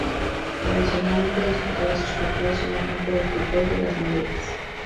Tradicionalmente disputaba sus partidos en el Campo de Fútbol de Las Moreras.